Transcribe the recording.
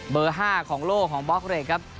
เบอร์๕ของโลกของบล็อกเรกครับ